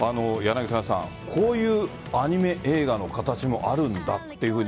こういうアニメ映画の形もあるんだって